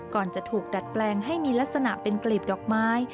ก่อนจะถูกดัดแปลงให้มีลักษณะเป็นกลีบดอกไม้